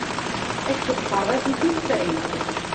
Akken qerriḥit i nefɛit.